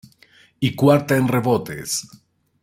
Y cuarta en rebotes.